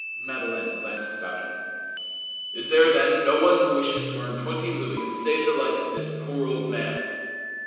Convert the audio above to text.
Madeleine glanced about him. "Is there, then, no one who wishes to earn twenty louis and save the life of this poor old man?"